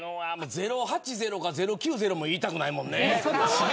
０８０か０９０も言いたくないもんね。